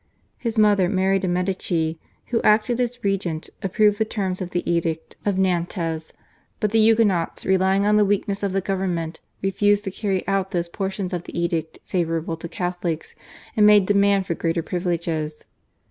His mother Mary de' Medici, who acted as regent approved the terms of the Edict of Nantes, but the Huguenots relying on the weakness of the government refused to carry out those portions of the Edict favourable to Catholics, and made demands for greater privileges.